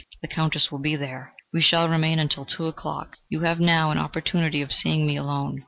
The Countess will be there. We shall remain until two o'clock. You have now an opportunity of seeing me alone.